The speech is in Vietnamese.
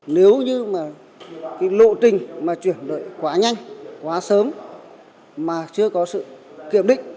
nếu như mà cái lộ trình mà chuyển lợi quá nhanh quá sớm mà chưa có sự kiểm định